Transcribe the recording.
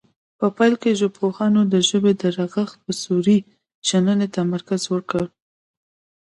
په پیل کې ژبپوهانو د ژبې د رغښت په صوري شننې تمرکز وکړ